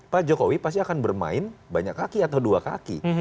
pak jokowi pasti akan bermain banyak kaki atau dua kaki